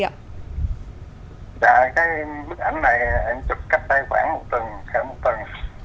dạ cái bức ảnh này anh chụp cách tay khoảng một tuần khoảng một tuần